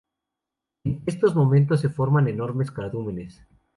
En esos momentos se forman enormes cardúmenes.